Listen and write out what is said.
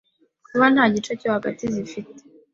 kuba nta gice cyo hagati zifite,